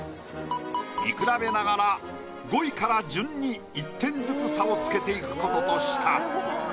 見比べながら５位から順に１点ずつ差をつけていくこととした。